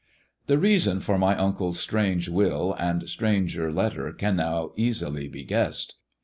The reason for my uncle's strange will, and stranger )tter, can now easily be guessed.